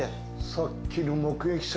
さっきの目撃者